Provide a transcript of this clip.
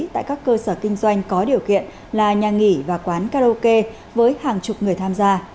tại các cơ sở kinh doanh có điều kiện là nhà nghỉ và quán karaoke với hàng chục người tham gia